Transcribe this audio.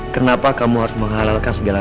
kenapa kamu harus menghalalkan segala